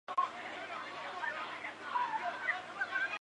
此现象一般在火警发生的后期出现。